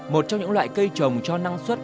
một trong những loại cây trồng cho năng suất